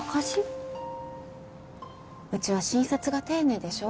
うちは診察が丁寧でしょ。